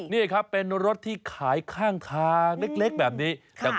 นี่ครับเป็นรถที่ขายข้างทางเล็กแบบนี้